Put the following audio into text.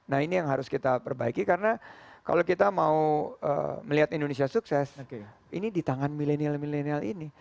nah ini yang harus kita perbaiki karena kalau kita mau melihat indonesia sukses ini di tangan milenial milenial ini